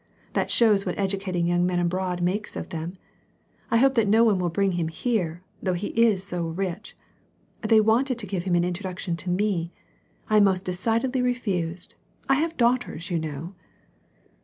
That show^s what educating young men abroad makes of them! I hope that no one will bring him here, though he is so rich. They wanted to give him an introduction to me. I most decidedly refused ; I have daughters you know."